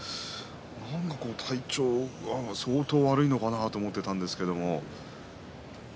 何か体調が相当悪いのかなと思っていたんですけど。